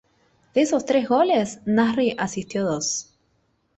De esos tres goles, Nasri asistió dos.